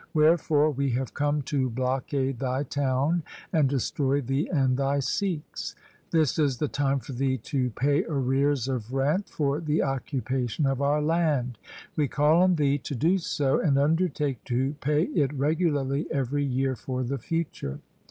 Wherefore we have come to blockade thy town and destroy thee and thy Sikhs. This is the time for thee to pay arrears of rent for the occupation of our land. We call on thee to do so, and undertake to pay it regularly every year for the future.